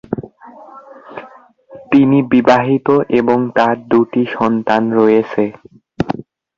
তিনি বিবাহিত এবং তার দুটি সন্তান রয়েছে।